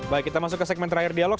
baik kita masuk ke segmen terakhir dialog